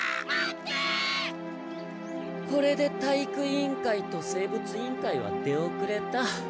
これで体育委員会と生物委員会は出おくれた。